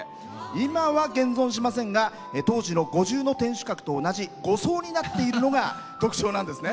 今は現存しませんが当時の五重の天守閣と同じ５層になっているのが特徴なんですね。